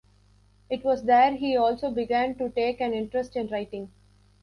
It was there he also began to take an interest in writing.